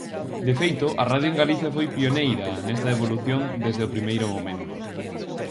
De feito, a radio en Galicia foi pioneira nesta evolución desde o primeiro momento.